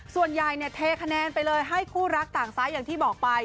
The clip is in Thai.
ส่วนใหญ่เนี่ยเทคะแนนไปเลยให้คู่รักต่างซ้ายอย่างที่บอกไป